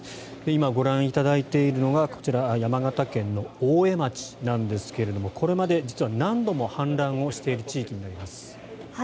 今ご覧いただいているのがこちら山形県の大江町なんですがこれまで実は何度も氾濫をしている地域になります。